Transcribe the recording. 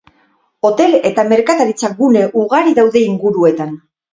Hotel eta merkataritza-gune ugari daude inguruetan.